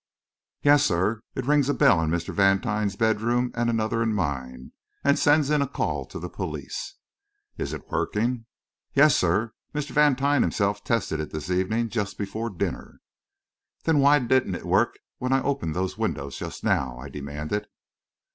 "Yes, sir. It rings a bell in Mr. Vantine's bedroom, and another in mine, and sends in a call to the police." "Is it working?" "Yes, sir; Mr. Vantine himself tested it this evening just before dinner." "Then why didn't it work when I opened those windows just now?" I demanded.